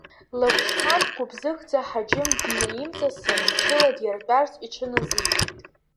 Лагәсҭан дгәыбзыӷӡа, Ҳаџьым днаимҵасын, мчыла диртәарц иҽыназикит.